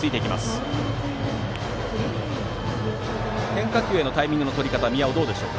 変化球へのタイミングのとり方宮尾はどうでしょう。